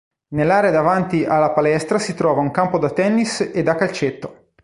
Nell'area davanti alla palestra si trova un campo da tennis e da calcetto.